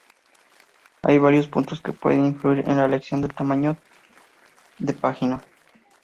Hay varios puntos que pueden influir en la elección del mejor tamaño de página.